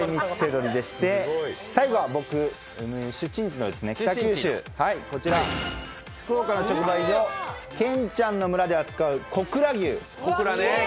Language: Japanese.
最後は僕の出身地の北九州、福岡の直売所、ケンちゃんの村で扱う小倉牛。